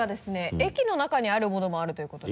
駅の中にあるものもあるということで。